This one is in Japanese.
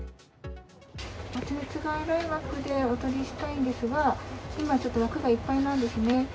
発熱外来枠でお取りしたいんですが、今、ちょっと枠がいっぱいなんですね。